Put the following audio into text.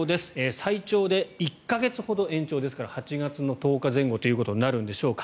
最長で１か月ほど延長ですから８月１０日前後となるんでしょうか。